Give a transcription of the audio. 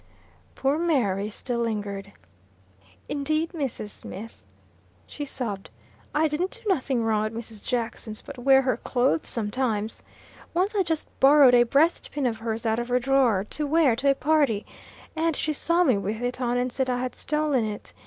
Poor Mary still lingered. "Indeed, Mrs. Smith," she sobbed "I didn't do nothing wrong at Mrs. Jackson's, but wear her clothes sometimes. Once I just borrowed a breastpin of hers out of her drawer, to wear to a party; and she saw me with it on, and said I had stolen it.